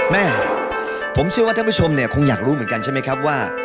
แม่ผมเชื่อว่าท่านผู้ชมเนี่ยคงอยากรู้เหมือนกันใช่ไหมครับว่า